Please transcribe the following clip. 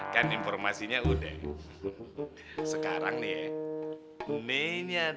kan informasinya udah sekarang nih nih nya dong